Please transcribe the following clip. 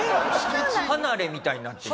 離れみたいになってる。